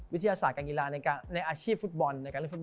วิทยาศาสตร์การกีฬาในอาชีพฟุตบอล